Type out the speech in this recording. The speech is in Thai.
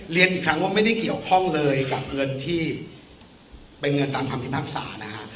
เรียนอีกครั้งว่าไม่ได้เกี่ยวข้องเลยกับเงินที่เป็นเงินตามคำพิพากษานะฮะ